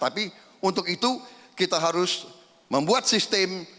tapi untuk itu kita harus membuat sistem